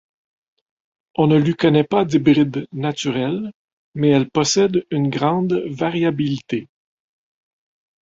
On ne lui connaît pas d'hybride naturel, mais elle possède une grande variabilité.